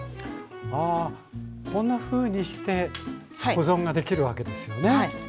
こんなふうにして保存ができるわけですよね。